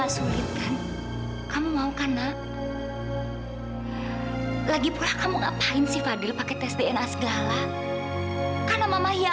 sampai jumpa di video selanjutnya